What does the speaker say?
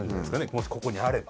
もしここにあれば。